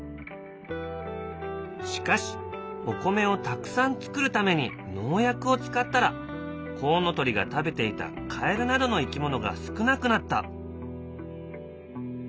しかしお米をたくさん作るために農薬を使ったらコウノトリが食べていたカエルなどの生き物が少なくなった。